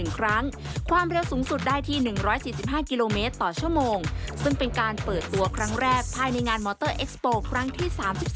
ครั้งแรกภายในงานมอเตอร์เอ็กสโปร์ครั้งที่๓๔